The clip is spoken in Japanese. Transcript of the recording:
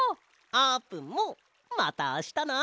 あーぷんもまたあしたな！